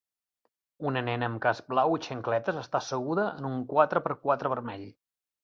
Una nena amb casc blau i xancletes està asseguda en un quatre per quatre vermell